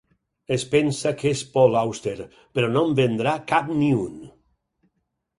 Es pensa que és Paul Auster, però no en vendrà cap ni un.